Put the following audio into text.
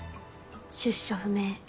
出所不明